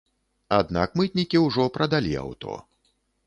Аднак мытнікі ўжо прадалі аўто.